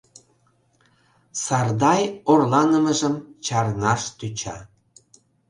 Сардай орланымыжым чарнаш тӧча.